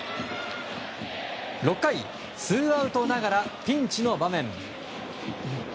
６回、ツーアウトながらピンチの場面。